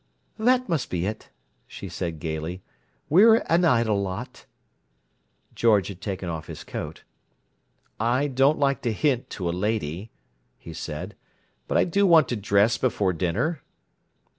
"That must be it," she said gayly. "We're an idle lot!" George had taken off his coat. "I don't like to hint to a lady," he said, "but I do want to dress before dinner."